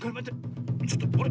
ちょっとあれ？